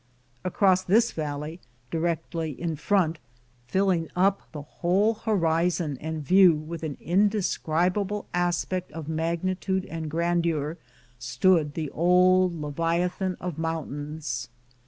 Across this valley, directly in front, filling up the whole horizon and view with an indescribable ' aspect of magnitude and grandeur, stood the old leviathan of mountains.